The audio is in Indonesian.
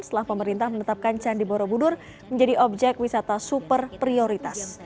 setelah pemerintah menetapkan candi borobudur menjadi objek wisata super prioritas